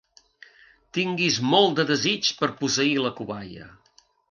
Tinguis molt de desig per posseir la cobaia.